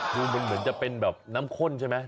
คือมันเหมือนจะเป็นแบบน้ำข้นใช่ไหม